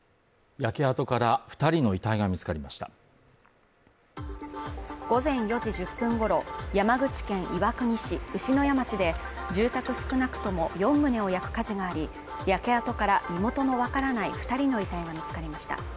焼け跡から二人の遺体が見つかりました午前４時１０分ごろ山口県岩国市牛野谷町で住宅少なくとも四棟を焼く火事があり焼け跡から身元のわからない二人の遺体が見つかりました